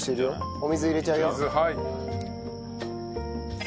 お水入れちゃうよ。